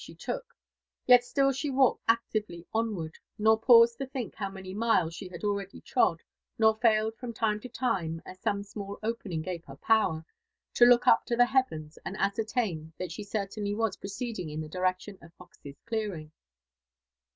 MS she took: yet still she walked actively onward, nor paused to think how many miles she had already trod, nor failed from time to time, as some small opening gave her power, to look up to the heavens and ascertain that she certainly was proceeding in the direction of Fox's clearing.